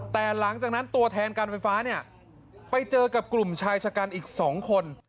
แต่หลังจากนั้นตัวแทนการไฟฟ้าเนี่ยไปเจอกับกลุ่มชายชะกันอีก๒คน